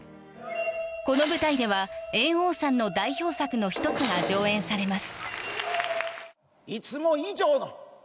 この舞台では猿翁さんの代表作の一つが上演されます。